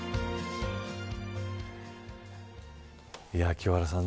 清原さん